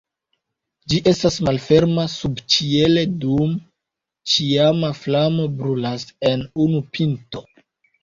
Ĝi estas malferma subĉiele dum ĉiama flamo brulas en unu pinto.